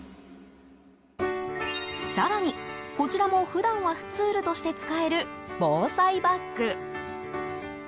更に、こちらも普段はスツールとして使える防災バッグ。